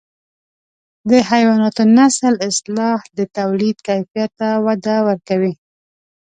د حیواناتو نسل اصلاح د توليد کیفیت ته وده ورکوي.